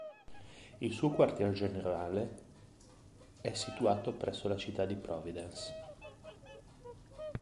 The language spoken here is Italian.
Il suo quartier generale è situato presso la citta di Providence.